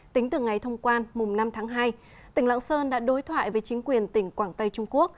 tính từ ngày thông quan mùng năm tháng hai tỉnh lãng sơn đã đối thoại với chính quyền tỉnh quảng tây trung quốc